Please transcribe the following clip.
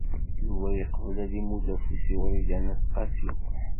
Yuba yeqbel ad imudd afus i Wrida n At Qasi Muḥ.